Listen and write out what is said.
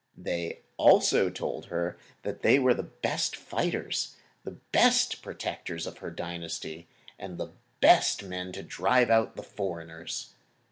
They also told her that they were the best fighters, the best protectors of her dynasty, and the best men to drive out the foreigners.